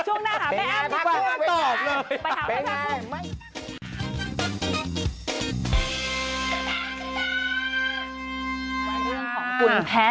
ช่วงหน้าหาแม่อ้ำดีกว่าไปถาม